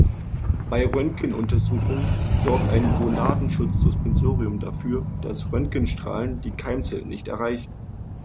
Bei Röntgenuntersuchungen sorgt ein "Gonadenschutz"-Suspensorium dafür, dass Röntgenstrahlen die Keimzellen nicht erreichen.